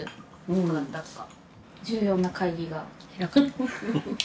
重要な会議が開かれる。